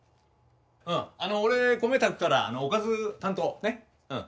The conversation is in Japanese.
あの俺米炊くからおかず担当ねうん。